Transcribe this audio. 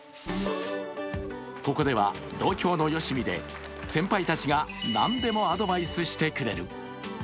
ここでは同郷のよしみで先輩たちが何でもアドバイスしてくれる。